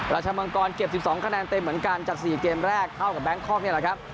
ราชมังกรเก็บ๑๒คะแนนเต็มเหมือนกันจาก๔เกมแรกเท่ากับแบงคอกนี่แหละครับ